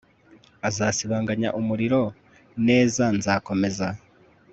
Azasibanganya umuriro neza Nzakomeza